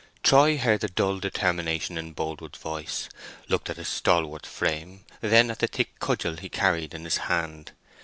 Troy heard the dull determination in Boldwood's voice, looked at his stalwart frame, then at the thick cudgel he carried in his hand.